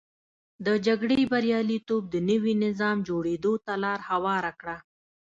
د جګړې بریالیتوب د نوي نظام جوړېدو ته لار هواره کړه.